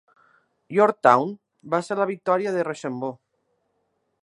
Yorktown va ser la victòria de Rochambeau.